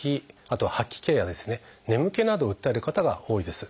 あとは「吐き気」や「眠気」などを訴える方が多いです。